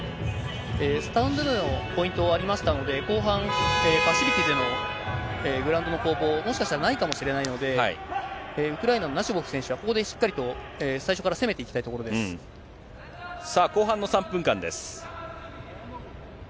スタンドでのポイントはありましたので、後半、パッシビティでのグラウンドの攻防、もしかしたらないかもしれないので、ウクライナのナシボフ選手は、ここでしっかりと最初から攻めてさあ、後半の３分間です。